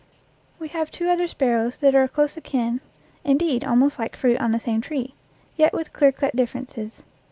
We have two other sparrows that are close akin indeed, almost like fruit on the same tree yet with clear cut differences.